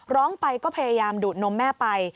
ร้องไปก็พยายามดูดนมแม่ไป